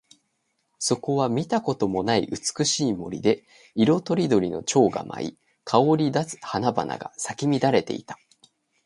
そこは見たこともない美しい森で、色とりどりの蝶が舞い、香り立つ花々が咲き乱れていた。